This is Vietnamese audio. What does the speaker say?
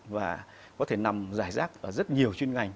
và có thể nằm giải rác ở rất nhiều chuyên ngành